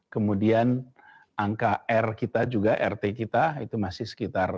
kemudian angka r kita juga rt kita itu masih sekitar